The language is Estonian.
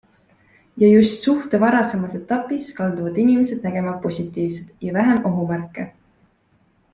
Ja just suhte varasemas etapis kalduvad inimesed nägema positiivset ja vähem ohumärke.